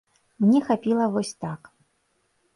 Мне хапіла вось так.